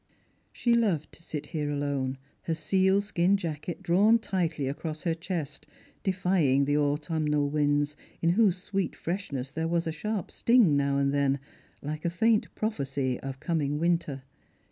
She loved to sit here alone, her sealskin jacket drawn tightly across her chest, defying the autumnal winds, in whose sweet freshness there was a sharp sting now and then, like a faint prophecy of coming winter.